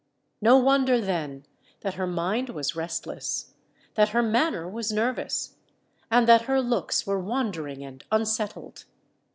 No wonder, then, that her mind was restless—that her manner was nervous—and that her looks were wandering and unsettled!